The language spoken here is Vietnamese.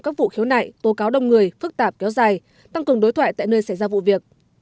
các vụ khiếu nại tố cáo đông người phức tạp kéo dài tăng cường đối thoại tại nơi xảy ra vụ việc